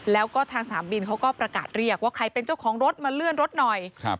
แล้วก็ทางสนามบินเขาก็ประกาศเรียกว่าใครเป็นเจ้าของรถมาเลื่อนรถหน่อย